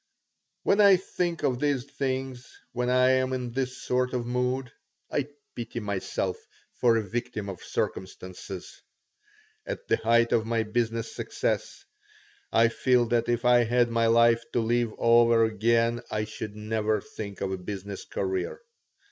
When I think of these things, when I am in this sort of mood, I pity myself for a victim of circumstances. At the height of my business success I feel that if I had my life to live over again I should never think of a business career.